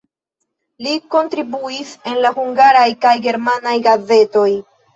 Li kontribuis en hungaraj kaj germanaj gazetoj.